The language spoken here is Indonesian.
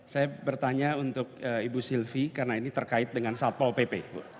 saya bertanya untuk ibu sylvi karena ini terkait dengan satpol pp